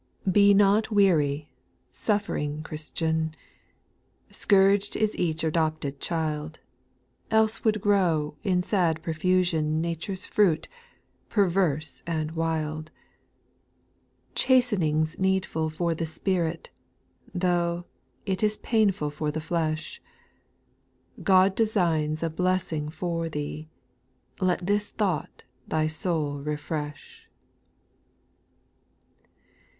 8. " Be not weary," suffering Christian, Scourg'd is each adopted child, Else would grow, in sad profusion, Nature's fruit, perverse and wild ; Chastening's needful for the sj^irit. Though, 't is painful for the flesh, God designs a blessing for thee ;— Let this thought thy soul refresh.